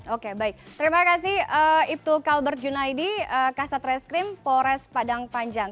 oke baik terima kasih ibtu kalbert junaidi kasat reskrim polres padang panjang